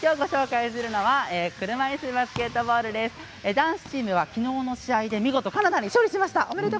男子チームはきのうの試合で見事、カナダに勝利しました。